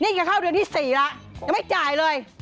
นี่จะเข้าเดือนที่๔แล้วยังไม่จ่ายเลย